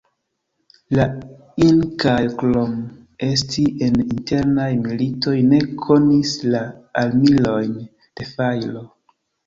La Inkaoj, krom esti en internaj militoj ne konis la armilojn de fajro.